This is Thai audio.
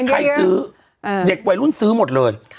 ใครซื้อเด็กวัยรุ่นซื้อหมดเลย